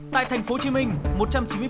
tại thành phố hồ chí minh